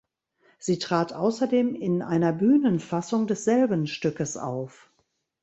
Sie trat außerdem in einer Bühnenfassung desselben Stückes auf.